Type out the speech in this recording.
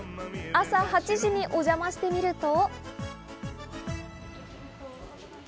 朝８時にお邪魔してみると。